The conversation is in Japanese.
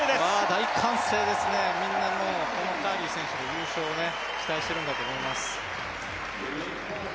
大歓声ですね、みんなカーリー選手の優勝を期待しているんだと思います。